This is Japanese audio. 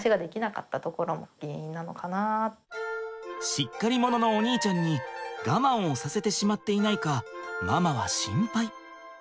しっかり者のお兄ちゃんに我慢をさせてしまっていないかママは心配。